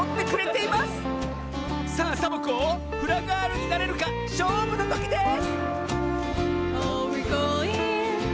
さあサボ子フラガールになれるかしょうぶのときです！